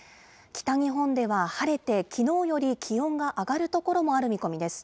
北日本では晴れてきのうより気温が上がる所もある見込みです。